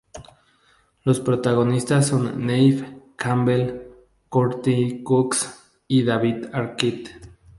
Los protagonistas son Neve Campbell, Courteney Cox, y David Arquette.